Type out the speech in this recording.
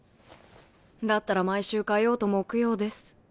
だったら毎週火曜と木曜です。